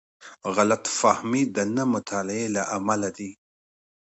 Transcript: غلط فهمۍ د نه مطالعې له امله دي.